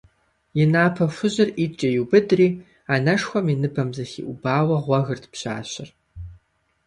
И напэ хужьыр ӀитӀкӀэ иубыдри, анэшхуэм и ныбэм зыхиӀубауэ гъуэгырт пщащэр.